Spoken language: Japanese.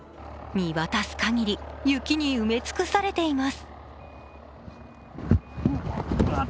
見渡す限り雪に埋め尽くされています。